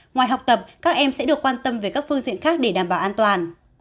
ngoài học tập các em sẽ được quan tâm về các phương diện khác để đảm bảo an toàn